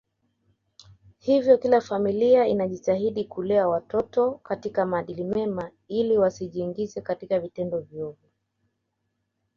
Hivyo kila familia inajitahidi kulea watoto katika maadili mema ili wasijiingize katika vitendo viovu